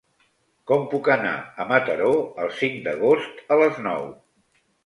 Com puc anar a Mataró el cinc d'agost a les nou?